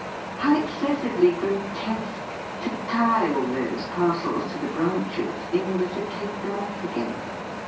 How ex cessively grotesque to tie all those par cels to the branches, in order to take them off again!